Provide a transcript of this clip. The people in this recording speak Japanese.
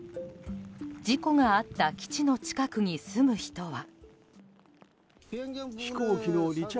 事故があった基地の近くに住む人は。